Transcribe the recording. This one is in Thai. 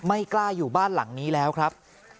ไม่กล้าอยู่บ้านหลังนี้แล้วครับ